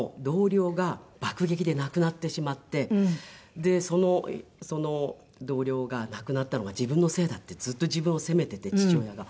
でその同僚が亡くなったのが自分のせいだってずっと自分を責めていて父親が。